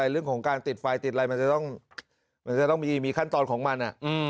เรื่องของการติดไฟติดอะไรมันจะต้องมีขั้นตอนของมัน